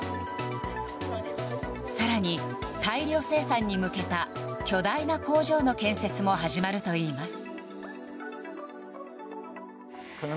更に大量生産に向けた巨大な工場の建設も始まるといいます。